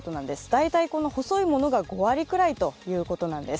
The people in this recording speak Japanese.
大体この細いものが５割ぐらいということです。